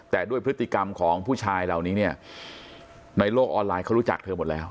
แต่ด้วยพฤติกรรมของผู้ชายเหล่านี้เนี่ยในโลกออนไลน์เขารู้จักเธอหมดแล้ว